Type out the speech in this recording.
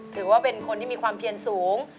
ถือว่าเป็นคนที่มีความเพียนสูง